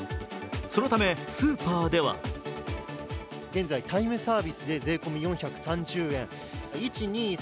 そのためスーパーでは現在、タイムサービスで税込み４３０円。